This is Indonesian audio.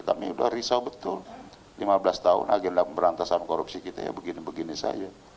kami sudah risau betul lima belas tahun agenda pemberantasan korupsi kita ya begini begini saja